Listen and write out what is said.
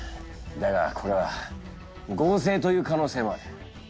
だがこれは合成という可能性もある。